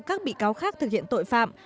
các bị cáo khác thực hiện tội phạm